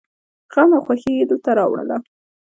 غم او خوښي يې دلته راوړله.